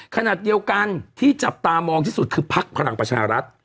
ขณะเดียวกันที่จับตามองที่สุดคือพักพลังประชารัฐ